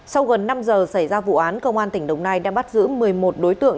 sau gần năm giờ xảy ra vụ án công an tỉnh đồng nai đã bắt giữ một mươi một đối tượng